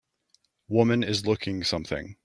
Woman is looking something.